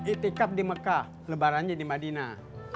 itikab di mekah lebaran aja di madinah